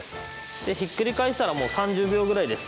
でひっくり返したらもう３０秒ぐらいです。